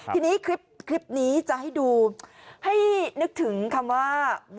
ทีนี้คลิปนี้จะให้ดูให้นึกถึงคำว่า